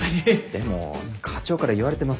でも課長から言われてます。